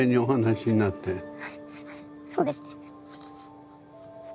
そうですね。